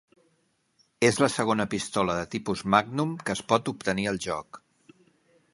És la segona pistola de tipus "Magnum" que es pot obtenir al joc.